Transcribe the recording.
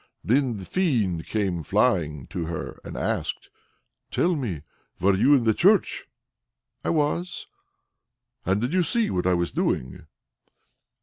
Then the Fiend came flying to her and asked: "Tell me; were you in the church?" "I was." "And did you see what I was doing?"